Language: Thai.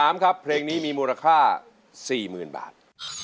เพลงที่๓ครับเพลงนี้มีมูลค่า๔๐๐๐๐บาท